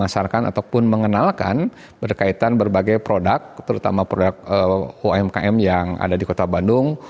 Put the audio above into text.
ataupun mengenalkan berkaitan berbagai produk terutama produk umkm yang ada di kota bandung